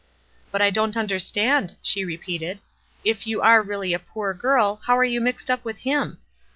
"But I don't understand," she repeated. "If you are really a poor girl how arc you mixed up with him?